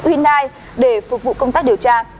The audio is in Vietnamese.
hyundai để phục vụ công tác điều tra